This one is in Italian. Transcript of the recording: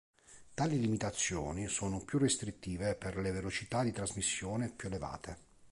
Tali limitazioni sono più restrittive per le velocità di trasmissione più elevate.